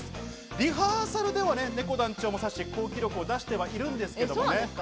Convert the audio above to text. リハーサルではねこ団長も好記録を出してはいるんですけれど。